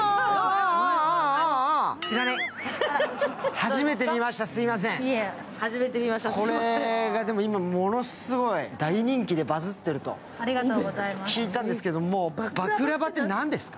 初めて見ました、すみませんこれが今、でもものすごい大人気でバズっていると聞いたんですけども、バクラヴァってなんですか？